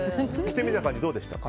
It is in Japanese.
着てみた感じどうでしたか？